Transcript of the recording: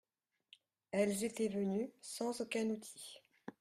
Elles étaient venues sans aucun outil.